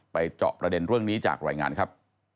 เจาะประเด็นเรื่องนี้จากรายงานครับ